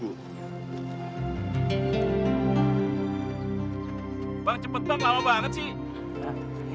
bang cepet banget lama banget sih